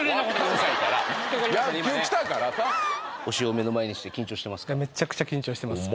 今ね来たからさ推しを目の前にして緊張してますか？